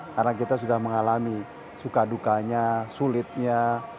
karena kita sudah mengalami suka dukanya sulitnya